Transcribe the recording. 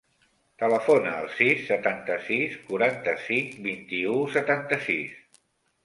Telefona al sis, setanta-sis, quaranta-cinc, vint-i-u, setanta-sis.